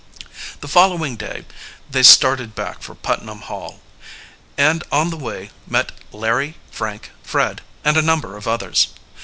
The following day they started back for Putnam Hall, and on the way met Larry, Frank, Fred, and a number of others.